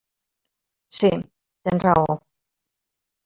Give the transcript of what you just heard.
Sí, tens raó.